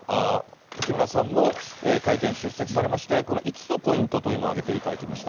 沖村さんも会見出席されまして、この５つのポイントというのを挙げていただきました。